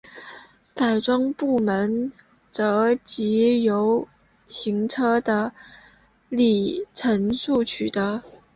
改装部品则藉由行车的里程数取得。